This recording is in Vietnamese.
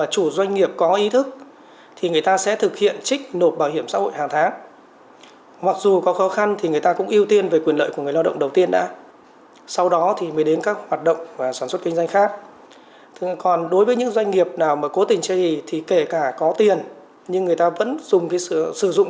cố tình chây y thì kể cả có tiền nhưng người ta vẫn sử dụng